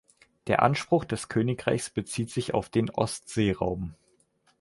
Der Anspruch des Königreichs bezieht sich auf den Ostseeraum.